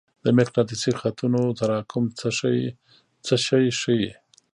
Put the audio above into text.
د مقناطیسي خطونو تراکم څه شی ښيي؟